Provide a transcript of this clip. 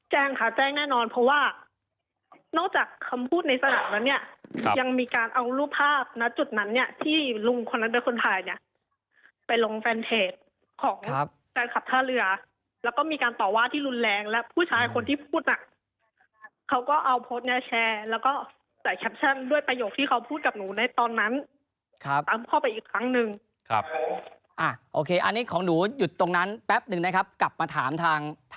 แจ้งค่ะแจ้งแน่นอนเพราะว่านอกจากคำพูดในสนามแล้วเนี่ยยังมีการเอารูปภาพณจุดนั้นเนี่ยที่ลุงคนนั้นเป็นคนถ่ายเนี่ยไปลงแฟนเพจของการขับท่าเรือแล้วก็มีการต่อว่าที่รุนแรงและผู้ชายคนที่พูดน่ะเขาก็เอาโพสต์เนี้ยแชร์แล้วก็ใส่แคปชั่นด้วยประโยคที่เขาพูดกับหนูในตอนนั้นตามพ่อไปอีกครั้งหนึ่งครับ